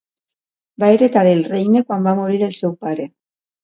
Va heretar el regne quan va morir el seu pare.